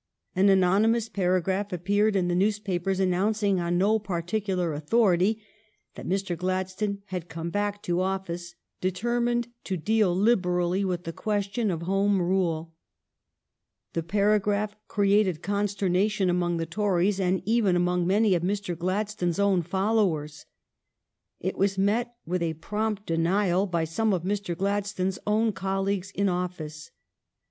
An anonymous paragraph ap peared in the newspapers announcing, on no par ticular authority, that Mr. Gladstone had come back to office determined to deal liberally with the question of Home Rule. The paragraph created consternation among the Tories and even among many of Mr. Gladstone's own followers. It was met with a prompt denial by some of Mr. Glad stone's own colleagues in office.